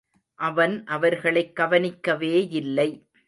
அவன் அவர்களைக் கவனிக்கவேயில்லை.